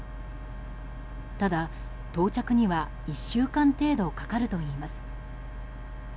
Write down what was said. ただ、到着には１週間程度かかるといいます。